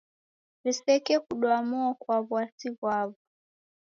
W'iseke kudwa mo kwa w'asi ghwaw'o.